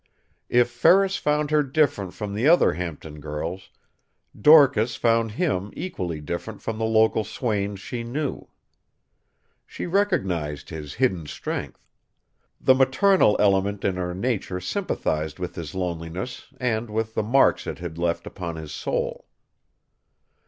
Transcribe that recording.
If Ferris found her different from the other Hampton girls, Dorcas found him equally different from the local swains she knew. She recognized his hidden strength. The maternal element in her nature sympathized with his loneliness and with the marks it had left upon his soul.